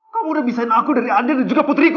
kamu sudah bisain aku dari andien dan juga putriku